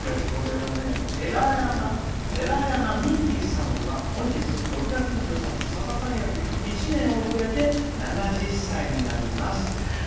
てらやまみきさんは本日、６月２３日、さださんより１年遅れて７０歳になります。